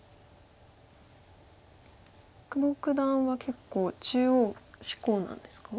久保九段は結構中央志向なんですか？